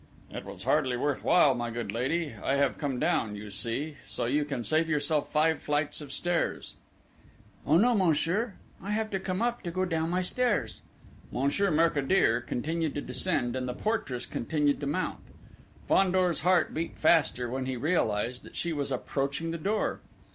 "It was hardly worth while, my good lady. I have to come down, you see, so you can save yourself five flights of stairs!" "Oh, no, monsieur! I have to come up to go down my stairs." Monsieur Mercadier continued to descend, and the portress continued to mount. Fandor's heart beat faster when he realised that she was approaching the door.